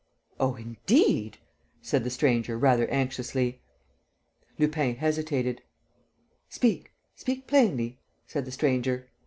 "Oh, indeed!" said the stranger, rather anxiously. Lupin hesitated. "Speak, speak plainly," said the stranger.